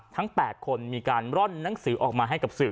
ทั้ง๘คนมีการร่อนหนังสือออกมาให้กับสื่อ